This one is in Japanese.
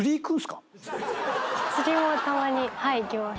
釣りもたまにはい行きます。